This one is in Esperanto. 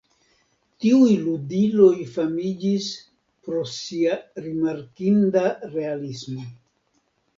Tiuj ludiloj famiĝis pro sia rimarkinda realismo.